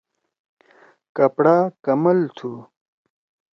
کپڑا کمل تُھو۔